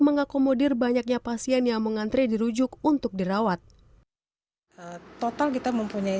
mengakomodir banyaknya pasien yang mengantre dirujuk untuk dirawat total kita mempunyai